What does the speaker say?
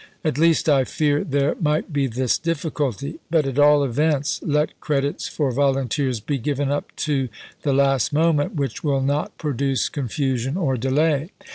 At least I fear there might be this difficulty ; but, at all events, let credits for volunteers be given up to the last moment which will not produce confusion or de lay.